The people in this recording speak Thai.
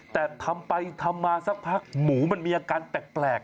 แต่ทำไปทำมาสักพักหมูมันมีอาการแปลก